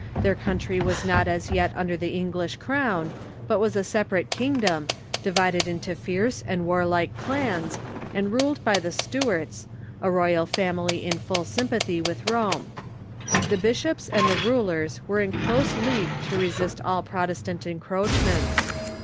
Their country was not as yet under the English crown, but was a sej^arate kingdom, divided into fierce Re^fo°rmers ^^^'^ warlike clans, and ruled by the Stuarts, a royal family in full sympathy with Rome. The bishops and the rulers were in close league to resist all Protestant en croachments.